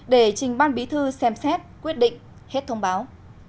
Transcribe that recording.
để trình ban bí thư xem xét quyết định hết thông báo